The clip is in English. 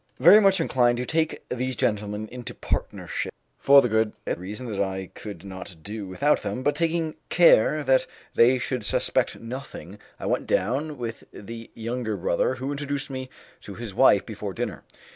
Very much inclined to take these gentlemen into partnership, for the good reason that I could not do without them, but taking care that they should suspect nothing, I went down with the younger brother, who introduced me to his wife before dinner.